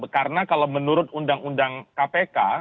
karena kalau menurut undang undang kpk